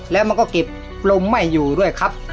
แล้วมันก็เก็บลมไม่อยู่ด้วยครับ